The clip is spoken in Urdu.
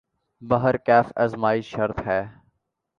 بہرکیف آزمائش شرط ہے ۔